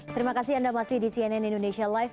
terima kasih anda masih di cnn indonesia live